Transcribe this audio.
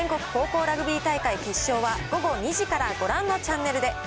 全国高校ラグビー大会決勝は午後２時からご覧のチャンネルで。